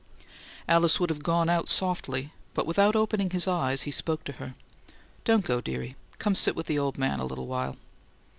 Alice would have gone out softly, but without opening his eyes, he spoke to her: "Don't go, dearie. Come sit with the old man a little while."